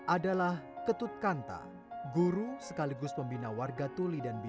adalah ketutkanta guru sekaligus pembina warga tuli dan bisnis